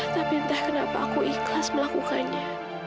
tapi entah kenapa aku ikhlas melakukannya